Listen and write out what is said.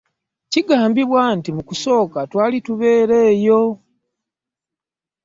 Kigambibwa nti mu kusooka twali tubeera eyo.